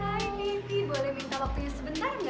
hai nelly boleh minta waktunya sebentar gak